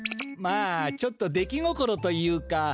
まあちょっと出来心というか。